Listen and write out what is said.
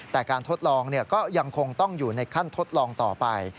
แต่การทดลองก็ยังคงต้องอยู่ในขั้นทดลองต่อไป